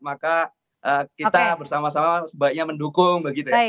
maka kita bersama sama sebaiknya mendukung begitu ya